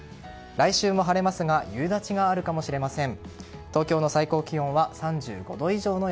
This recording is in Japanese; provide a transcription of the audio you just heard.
来週も晴れますが夕立があるかもしれません。